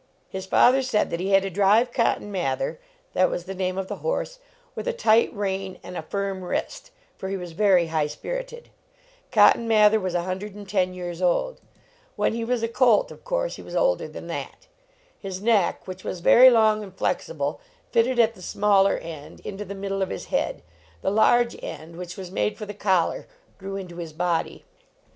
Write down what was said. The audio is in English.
His father said that he had to drive Cotton Mather that was the name of the horse with a tight rein and a firm wrist, for he was very high spirited. Cotton Mather was 1 10 years old. When he was a colt, of 6 Si LEARNING TO TRAVEL course, he was older than that. His neck, which was very long and flexible, fitted at the smaller end into the middle of his head ; the large end, which was made for the collar, grew into his body.